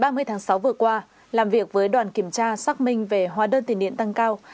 ngày ba mươi tháng sáu vừa qua làm việc với đoàn kiểm tra xác minh về hóa đơn tiền điện tăng cao